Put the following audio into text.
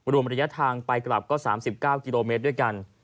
รวมระยะทางไปกลับก็๓๙กิโลเมตรด้วยกัน